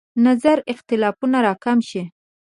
نظر اختلافونه راکم شي.